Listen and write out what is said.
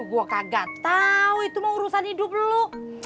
gue kagak tahu itu mah urusan hidup lo